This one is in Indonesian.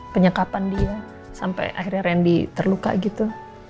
penyekapan dia sampai akhirnya randy terluka gitu